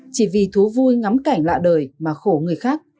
chỉ vì thú vui ngắm cảnh lạ đời mà khổ người khác